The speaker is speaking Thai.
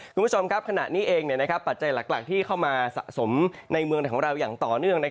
คุณผู้ชมครับขณะนี้เองปัจจัยหลักที่เข้ามาสะสมในเมืองของเราอย่างต่อเนื่อง